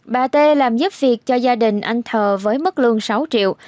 bà t làm giúp việc cho gia đình anh thờ với mức lương sáu triệu